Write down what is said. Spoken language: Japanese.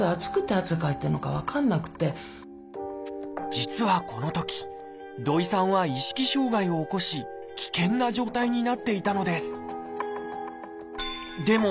実はこのとき土井さんは意識障害を起こし危険な状態になっていたのです。